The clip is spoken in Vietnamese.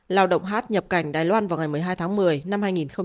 lao động h nhập cảnh đài loan vào ngày một mươi hai tháng một mươi năm hai nghìn hai mươi